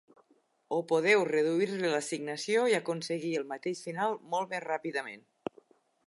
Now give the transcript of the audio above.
O podeu reduir-li l'assignació i aconseguir el mateix final molt més ràpidament.